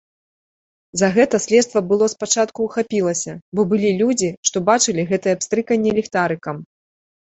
За гэта следства было спачатку ўхапілася, бо былі людзі, што бачылі гэтае пстрыканне ліхтарыкам.